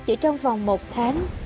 chỉ trong vòng một tháng